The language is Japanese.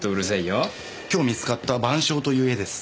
今日見つかった『晩鐘』という絵です。